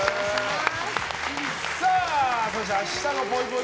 そして明日のぽいぽい